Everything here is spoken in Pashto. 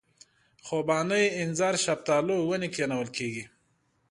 خوبانۍ اینځر شفتالو ونې کښېنول کېږي.